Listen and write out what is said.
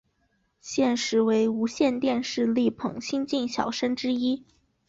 现时为无线电视力捧新晋小生之一。